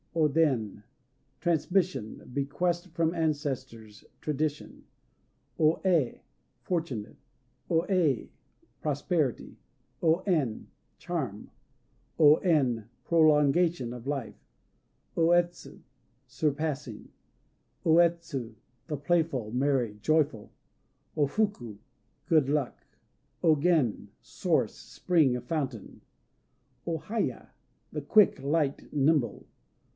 O Den "Transmission," bequest from ancestors, tradition. O É "Fortunate." O Ei "Prosperity." O En "Charm." O En "Prolongation," of life. O Etsu "Surpassing." O Etsu "The Playful," merry, joyous. O Fuku "Good Luck." O Gen "Source," spring, fountain. O Haya "The Quick," light, nimble.